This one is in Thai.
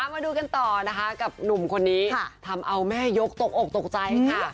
มาดูกันต่อนะคะกับหนุ่มคนนี้ทำเอาแม่ยกตกอกตกใจค่ะ